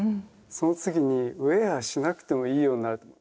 その次にウェアしなくてもいいようになると。